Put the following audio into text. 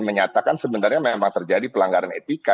menyatakan sebenarnya memang terjadi pelanggaran etika